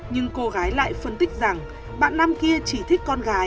nhưng cô gái lại phân tích rằng bạn năm kia chỉ thích con người